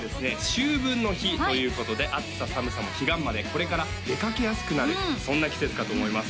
秋分の日ということで暑さ寒さも彼岸までこれから出掛けやすくなるそんな季節かと思います